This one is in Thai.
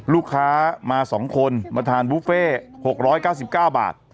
ลูกค้ามา๒คนมาทานบุฟเฟ่๖๙๙บาท